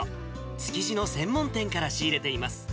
築地の専門店から仕入れています。